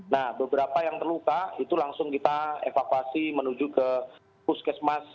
nah beberapa yang terluka itu langsung kita evakuasi menuju ke puskesmas